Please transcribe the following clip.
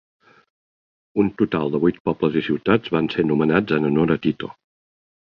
Un total de vuit pobles i ciutats van ser nomenats en honor a Tito.